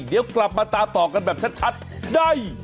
เดี๋ยวกลับมาตามต่อกันแบบชัดได้